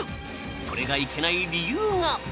それがいけない理由が。